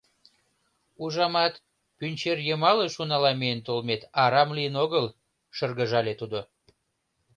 — Ужамат, Пӱнчерйымалыш унала миен толмет арам лийын огыл, — шыргыжале тудо.